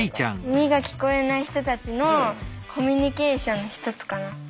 耳が聞こえない人たちのコミュニケーションの一つかなって。